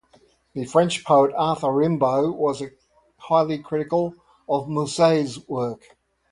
The French poet Arthur Rimbaud was highly critical of Musset's work.